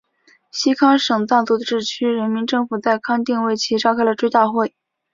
西康省藏族自治区人民政府在康定为其召开了追悼会。